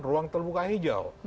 ruang terbuka hijau